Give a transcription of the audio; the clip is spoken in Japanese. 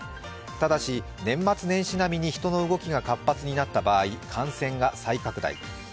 ただし、年末年始並みに人の動きが活発になった場合、感染が再拡大。